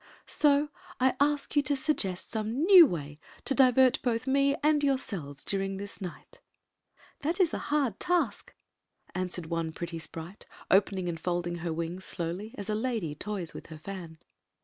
So I ask you to suggest some new way to divert both me and yourselves during this night" "That is a hard task," answered one pretty sprite, opening and folding her wings dowly — as a lady toys with her fan.